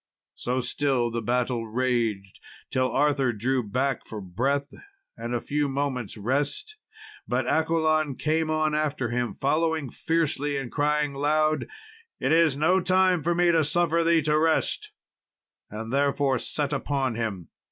So still the battle raged, till Arthur drew a little back for breath and a few moments' rest; but Accolon came on after him, following fiercely and crying loud, "It is no time for me to suffer thee to rest," and therewith set upon him.